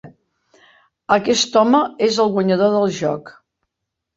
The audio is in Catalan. Aquest home és el guanyador del joc.